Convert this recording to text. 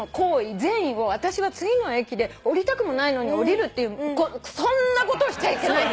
善意を私は次の駅で降りたくもないのに降りるっていうそんなことをしちゃいけないって。